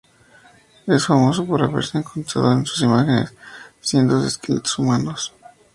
Es famoso por haberse encontrado en sus márgenes cientos de esqueletos humanos.